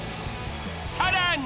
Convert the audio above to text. さらに。